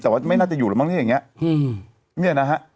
แต่ไม่น่าจะอยู่มั้งที่นี้เนี่ยแน่ฮะ